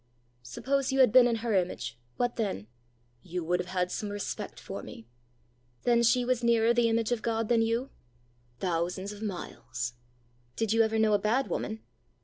"Suppose you had been in her image, what then?" "You would have had some respect for me!" "Then she was nearer the image of God than you?" "Thousands of miles!" "Did you ever know a bad woman?"